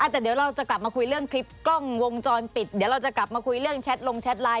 แต่เดี๋ยวเราจะกลับมาคุยเรื่องคลิปกล้องวงจรปิดเดี๋ยวเราจะกลับมาคุยเรื่องแชทลงแชทไลน